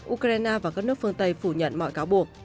ukraine và các nước phương tây phủ nhận mọi cáo buộc